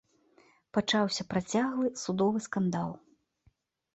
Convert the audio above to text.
Пачаўся працяглы судовы скандал.